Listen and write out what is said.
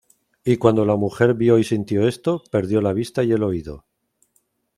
Y cuando la mujer vio y sintió esto, perdió la vista y el oído.